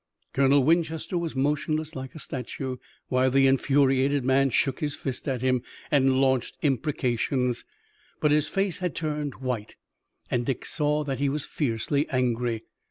Colonel Winchester was motionless like a statue, while the infuriated man shook his fist at him and launched imprecations. But his face had turned white and Dick saw that he was fiercely angry.